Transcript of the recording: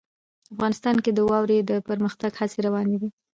افغانستان کې د واوره د پرمختګ هڅې روانې دي.